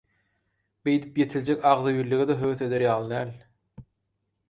Beýdip ýetiljek agzybirlige-de höwes eder ýaly däl.